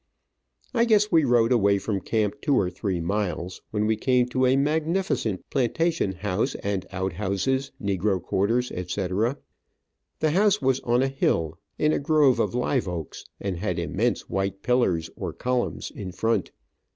I guess we rode away from camp two or three miles, when we came to a magnificent plantation house, and outhouses, negro quarters, etc. The house was on a hill, in a grove of live oaks, and had immense white pillars, or columns in front.